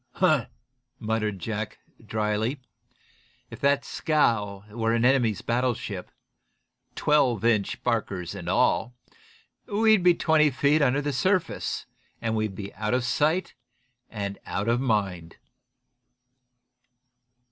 "Humph!" muttered Jack, dryly, "if that scow were an enemy's battleship, twelve inch barkers and all, we'd be twenty feet under the surface, and we'd be out of sight and out of mind."